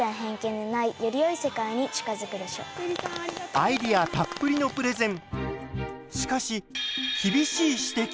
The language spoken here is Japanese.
アイデアたっぷりのプレゼン。